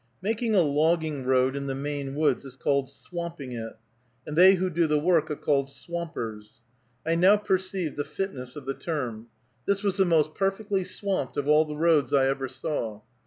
Making a logging road in the Maine woods is called "swamping" it, and they who do the work are called "swampers." I now perceived the fitness of the term. This was the most perfectly swamped of all the roads I ever saw.